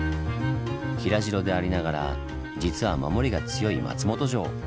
平城でありながら実は守りが強い松本城。